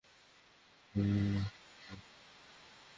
নাহলে দুনিয়া ধ্বংস হওয়া অবধি অপেক্ষা করতে পারো।